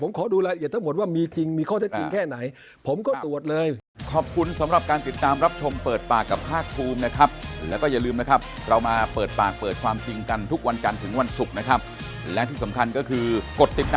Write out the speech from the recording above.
ผมขอดูรายละเอียดทั้งหมดว่ามีจริงมีข้อเท็จจริงแค่ไหน